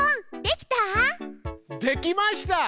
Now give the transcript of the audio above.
できました！